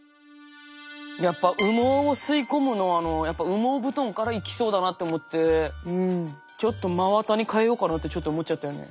やっぱ羽毛を吸い込むのやっぱ羽毛布団からいきそうだなって思って真綿に替えようかなってちょっと思っちゃったよね。